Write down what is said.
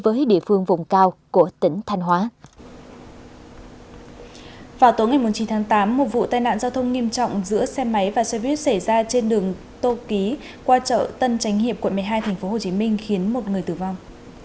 một vụ tai nạn giao thông nghiêm trọng giữa xe máy và xe buýt xảy ra trên đường tô ký qua chợ tân tránh hiệp quận một mươi hai tp hcm khiến một người tử vong